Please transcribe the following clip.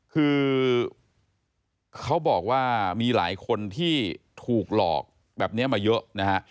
คือเขาบอกว่ามีหลายคนที่ถูกหลอกแบบนี้มาเยอะนะฮะ